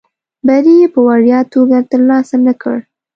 بری یې په وړیا توګه ترلاسه نه کړ.